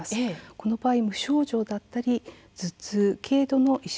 この場合無症状だったり頭痛、軽度の意識